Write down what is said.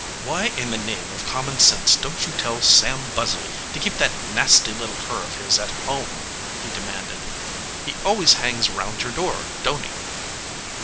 "Why in the name of common sense don t you tell Sam Buzzy to keep that nasty little cur of his at home ?" he demanded. "He always hangs round your door, don t he?"